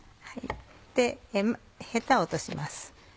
ヘタを落とします。